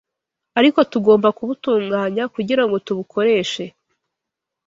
ariko tugomba kubutunganya kugira ngo tubukoreshe